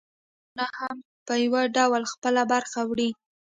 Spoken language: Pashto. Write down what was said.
نور قومونه هم په یو ډول خپله برخه وړي